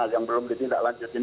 yang belum ditindaklanjutkan